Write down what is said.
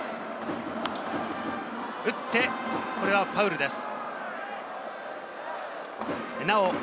打って、これはファウルです。